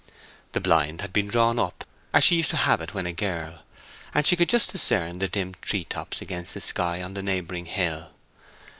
The blind had been drawn up, as she used to have it when a girl, and she could just discern the dim tree tops against the sky on the neighboring hill.